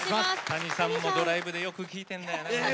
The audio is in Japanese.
Ｔａｎｉさんもドライブでよく聴いてるんだよね。